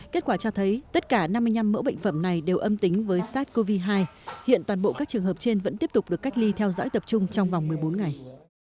kết quả cho thấy tất cả năm mươi năm mẫu bệnh phẩm này đều âm tính với sars cov hai hiện toàn bộ các trường hợp trên vẫn tiếp tục được cách ly theo dõi tập trung trong vòng một mươi bốn ngày